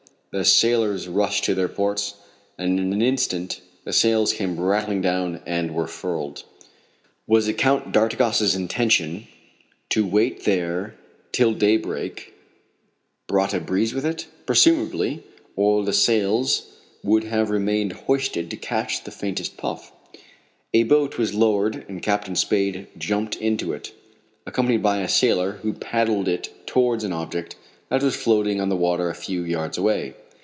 The sailors rushed to their posts, and in an instant the sails came rattling down and were furled. Was it Count d'Artigas' intention to wait there till daybreak brought a breeze with it? Presumably, or the sails would have remained hoisted to catch the faintest puff. A boat was lowered and Captain Spade jumped into it, accompanied by a sailor, who paddled it towards an object that was floating on the water a few yards away.